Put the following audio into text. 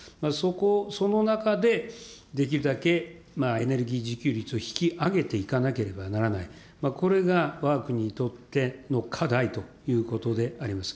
その中でできるだけエネルギー自給率を引き上げていかなければならない、これがわが国にとっての課題ということであります。